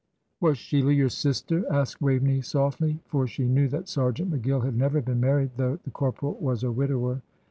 "Was Sheila your sister?" asked Waveney, softly. For she knew that Sergeant McGill had never been married, though the corporal was a widower.